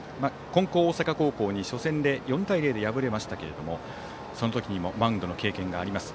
金光大阪高校に初戦で４対０で敗れましたけどその時にもマウンドの経験があります。